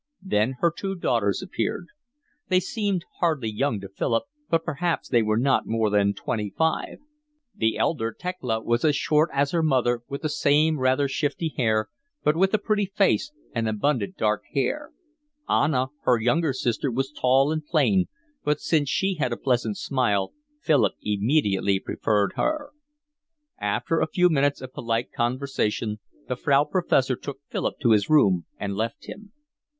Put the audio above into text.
Then her two daughters appeared. They seemed hardly young to Philip, but perhaps they were not more than twenty five: the elder, Thekla, was as short as her mother, with the same, rather shifty air, but with a pretty face and abundant dark hair; Anna, her younger sister, was tall and plain, but since she had a pleasant smile Philip immediately preferred her. After a few minutes of polite conversation the Frau Professor took Philip to his room and left him.